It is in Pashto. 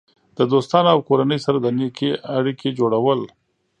د دوستانو او کورنۍ سره د نیکې اړیکې جوړول.